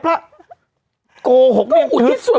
ประโยชน์น้อย